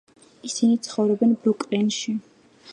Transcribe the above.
ისინი ცხოვრობენ ბრუკლინში.